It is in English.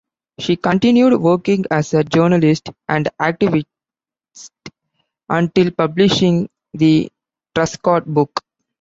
She continued working as a journalist and activist until publishing the Truscott book.